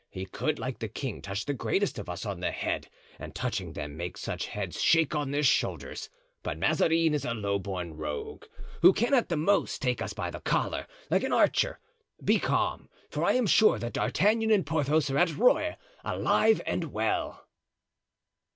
He could, like the king, touch the greatest of us on the head, and touching them make such heads shake on their shoulders. But Mazarin is a low born rogue, who can at the most take us by the collar, like an archer. Be calm—for I am sure that D'Artagnan and Porthos are at Rueil, alive and well."